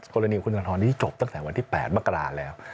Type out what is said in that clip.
กรณีคุณธนทรนี้จบตั้งแต่วันที่๘มกราศแล้ว